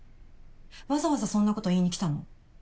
わざわざそんなこと言いに来たの？